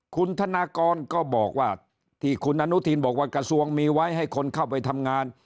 คุณธนากรก็บอกว่าที่คุณอนุทินบอกว่ากระทรวงมีไว้ให้คนเข้าไปทำงาน